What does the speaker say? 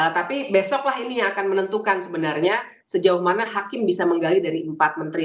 tapi besoklah ini yang akan menentukan sebenarnya sejauh mana hakim bisa menggali dari empat menteri